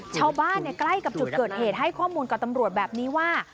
ชาวบ้านใกล้กับจุดเกิดเหตุให้ข้อมูลกับตำรวจแบบนี้ว่า